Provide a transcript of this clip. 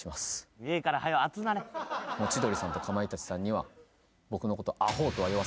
千鳥さんとかまいたちさんには僕のこと。